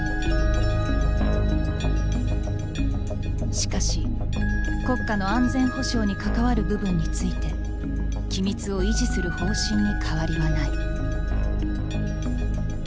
しかし国家の安全保障に関わる部分について機密を維持する方針に変わりはない。